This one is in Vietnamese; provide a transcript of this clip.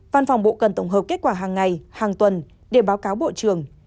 văn phòng bộ cần tổng hợp kết quả hàng ngày hàng tuần để báo cáo bộ trưởng